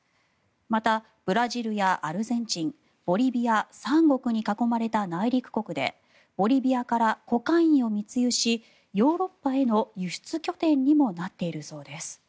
またブラジルやアルゼンチンボリビア３国に囲まれた内陸国でボリビアからコカインを密輸しヨーロッパへの輸出拠点にもなっているそうです。